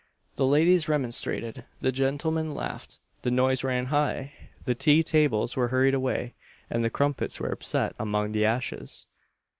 The ladies remonstrated, the gentlemen laughed, the noise ran high; the tea tables were hurried away, and the crumpets were upset among the ashes.